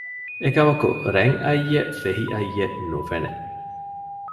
އެކަމަކު ރަތް އައްޔެއް ފެހި އައްޔެއް ނުފެނެ